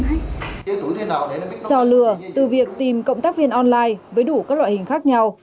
chào lừa từ việc tìm cộng tác viên online với đủ các loại hình khác nhau